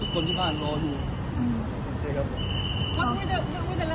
คุณอยู่ในโรงพยาบาลนะ